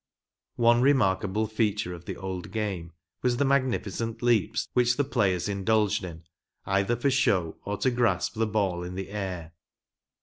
One remarkable feature of the old game was the magnificent leaps which the players indulged in, either for show or to grasp the ball in the air.